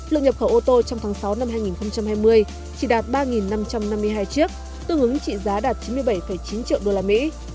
lượng nhập khẩu ô tô trong tháng sáu năm hai nghìn hai mươi chỉ đạt ba năm trăm năm mươi hai chiếc tương ứng trị giá đạt chín mươi bảy chín triệu đô la mỹ